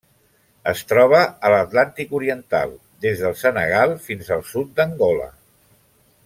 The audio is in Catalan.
Es troba a l'Atlàntic oriental: des del Senegal fins al sud d'Angola.